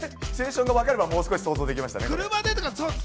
シチュエーションわかれば、もう少し想像できましたね。